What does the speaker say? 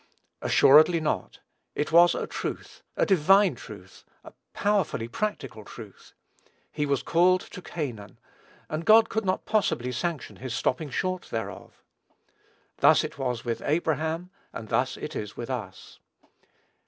Assuredly not. It was a truth, a divine truth, a powerfully practical truth. He was called to Canaan, and God could not possibly sanction his stopping short thereof. Thus it was with Abraham, and thus it is with us.